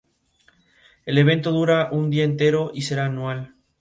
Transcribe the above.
El evento dura un día entero y será anual.